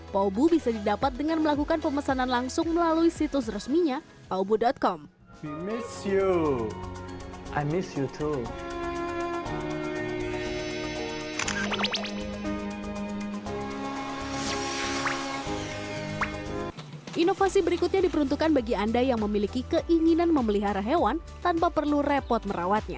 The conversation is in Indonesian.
paubu bisa didapat dengan melakukan pemesanan langsung melalui situs resminya paubu com